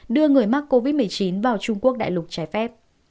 đưa người mắc covid một mươi chín vào trung quốc đại lục trái phép